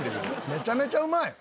めちゃめちゃうまい！